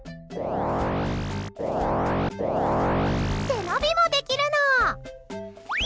背伸びもできるの。